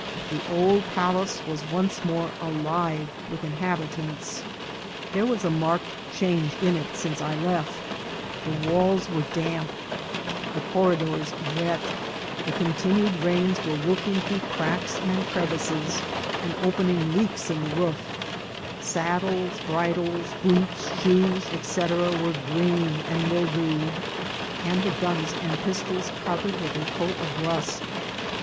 The old palace was once more alive with inhabitants. There was a marked change in it since I left ; the walls were damp, the corridors wet ; the continued rains were working through cracks and crevices, and opening leaks in the roof; saddles, bridles, boots, shoes, &c., were green and mildewed, and the guns and pistols covered with a coat of rust.